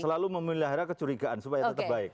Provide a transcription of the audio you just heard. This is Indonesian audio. selalu memelihara kecurigaan supaya tetap baik